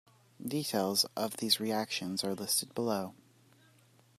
Details of these reactions are listed below.